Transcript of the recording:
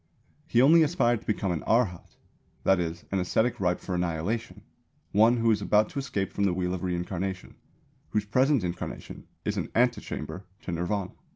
He only aspired to become an Arhat, that is "an ascetic ripe for annihilation," one who is about to escape from the wheel of reincarnation whose present incarnation is an antechamber to Nirvāna.